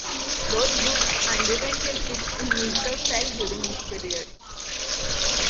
Both groups underwent a shift in musical style during this period.